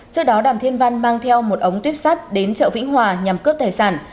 trước đó đàm thiên văn mang theo một ống tuyếp sắt đến chợ vĩnh hòa nhằm cướp tài sản